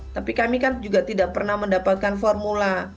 tapi kami kan juga tidak pernah mendapatkan formula